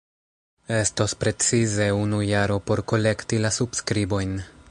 Estos precize unu jaro por kolekti la subskribojn.